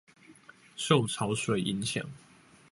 受潮水影響